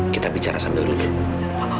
kita bicara sambil lukai